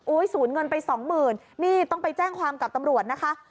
ศูนย์เงินไปสองหมื่นนี่ต้องไปแจ้งความกับตำรวจนะคะ